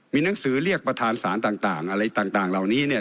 มีหนังสือเรียกประธานสารต่างอะไรต่างเหล่านี้เนี่ย